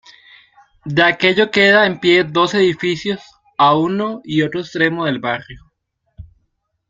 De aquello queda en pie dos edificios a uno y otro extremo del barrio.